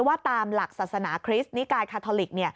ว่าตามหลักศาสนาคริสต์นิกายคาทอลิก